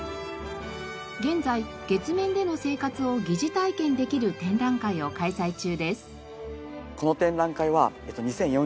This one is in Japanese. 現在月面での生活を疑似体験できる展覧会を開催中です。